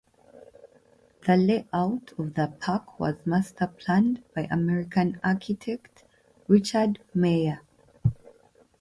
The layout of the park was masterplanned by American architect Richard Meier.